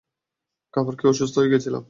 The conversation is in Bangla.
খাবার খেয়ে অসুস্থ হয়ে গেছিলাম।